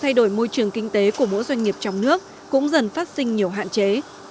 thay đổi môi trường kinh tế của mỗi doanh nghiệp trong nước cũng dần phát sinh nhiều hạn chế